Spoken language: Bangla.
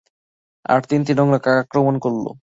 তারপর তিনটা নোংরা কাক আক্রমণ করল।